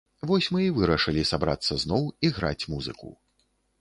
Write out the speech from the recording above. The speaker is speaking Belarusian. Вось мы і вырашылі сабрацца зноў і граць музыку.